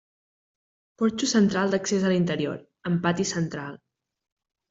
Porxo central d'accés a l'interior, amb pati central.